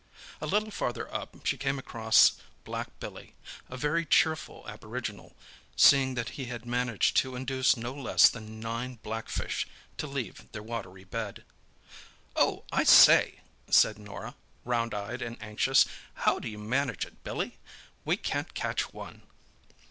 A little farther up she came across black Billy—a very cheerful aboriginal, seeing that he had managed to induce no less than nine blackfish to leave their watery bed. "Oh, I say!" said Norah, round eyed and envious. "How do you manage it, Billy? We can't catch one."